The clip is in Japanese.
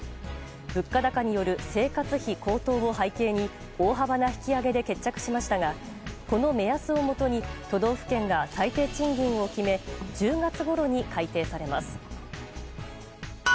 物価高による生活費高騰を背景に大幅な引き上げで決着しましたがこの目安をもとに都道府県が最低賃金を決め１０月ごろに改定されます。